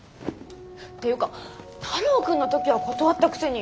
ていうか太郎君の時は断ったくせに。